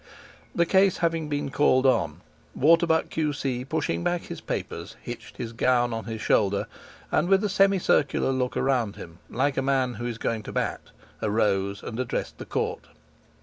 The case having been called on, Waterbuck, Q.C., pushing back his papers, hitched his gown on his shoulder, and, with a semi circular look around him, like a man who is going to bat, arose and addressed the Court.